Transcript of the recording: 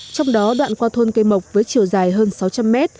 trong đó đoạn qua thôn cây mộc với chiều dài hơn sáu trăm linh mét